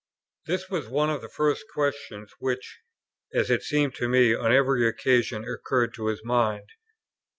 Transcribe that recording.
This was one of the first questions, which, as it seemed to me, on every occasion occurred to his mind.